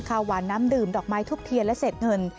ข้าวหวานน้ำดื่มดอกไม้ทุบเทียนและเศษเงิน